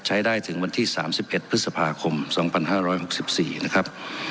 ใช้ได้ถึงวันที่๓๑พฤษภาคม๒๕๖๔นะครับ